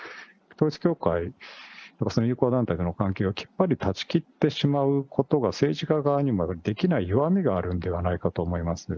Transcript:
統一教会、その友好団体との関係をきっぱり断ち切ってしまうことが、政治家側にもできない弱みがあるんではないかと思います。